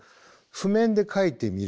譜面で書いてみる。